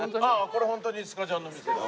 これホントにスカジャンの店だ。